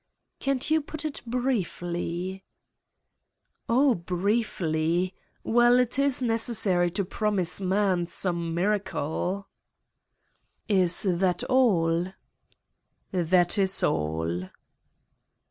"Can't you put it briefly?" "Oh, briefly. Well, it is necessary to promise man some miracle." "Is that all!" "That is all."